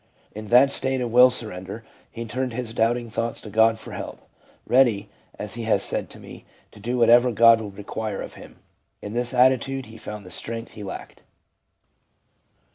In that state of will surrender he turned his doubting thoughts to God for help, ready, as he has said to me, to do whatever God would require of him. In this attitude he found the strength he lacked.